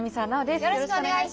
よろしくお願いします！